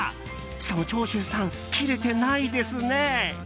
しかも長州さんキレてないですね。